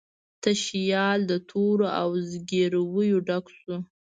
تشیال د تورو او زګیرویو ډک شو